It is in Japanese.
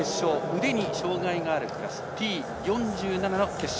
腕に障がいがあるクラスＴ４７の決勝。